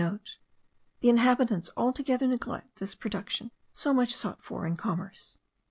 The inhabitants altogether neglect this production, so much sought for in commerce.